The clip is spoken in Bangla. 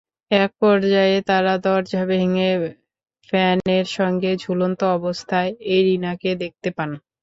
একপর্যায়ে তাঁরা দরজা ভেঙে ফ্যানের সঙ্গে ঝুলন্ত অবস্থায় এরিনাকে দেখতে পান।